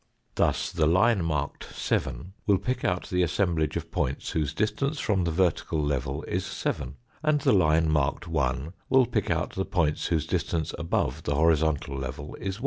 Thus the line marked 7 will pick out the assemblage of points whose distance from the vertical level is 7, and the line marked 1 will pick out the points whose distance above the horizontal level is 1.